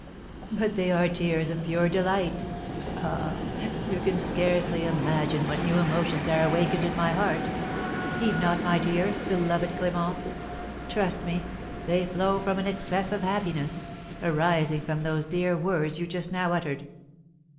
"But they are tears of pure delight. Ah, you can scarcely imagine what new emotions are awakened in my heart! Heed not my tears, beloved Clémence; trust me, they flow from an excess of happiness, arising from those dear words you just now uttered.